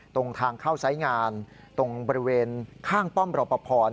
ตรงทางเข้าซ้ายงานตรงบริเวณข้างป้อมรอปภ